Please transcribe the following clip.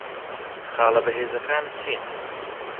خاڵە بەهێزەکانت چین؟